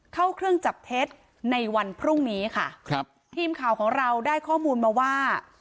เข้าเครื่องจับเท็จในวันพรุ่งนี้ค่ะครับทีมข่าวของเราได้ข้อมูลมาว่า